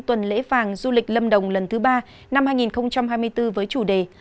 tuần lễ vàng du lịch lâm đồng lần thứ ba năm hai nghìn hai mươi bốn với chủ đề